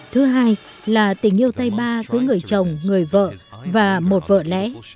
thứ hai là tình yêu tay ba giữa người chồng người vợ và một vợ lẽ